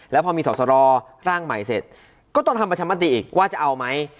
แล้วพอมีสอสรร่างใหม่เสร็จก็ต้องทำประชามติอีกว่าจะเอาไหม